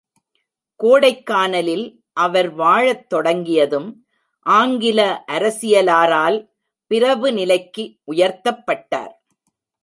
கோடைக்கானலில் அவர் வாழத் தொடங்கியதும், ஆங்கில அரசியலாரால் பிரபு நிலை க்கு உயர்த்தப்பட்டார்.